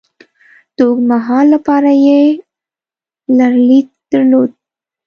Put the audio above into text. د اوږد مهال لپاره یې لرلید درلود.